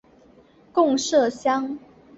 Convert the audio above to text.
贡麝香。